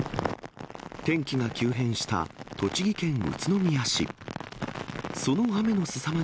天気が急変した栃木県宇都宮市。